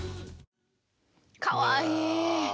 かわいい！